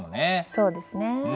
そうですねぇ。